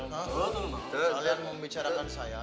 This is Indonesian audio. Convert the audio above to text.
kalian mau membicarakan saya